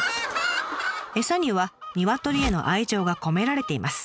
餌にはニワトリへの愛情が込められています。